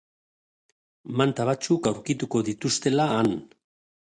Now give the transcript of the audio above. Manta batzuk aurkituko dituztela han.